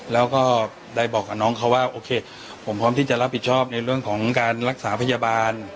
แล้วก็ได้บอกกับน้องเขาว่าโอเคผมพร้อมที่จะรับผิดชอบในเรื่องของการรักษาพยาบาล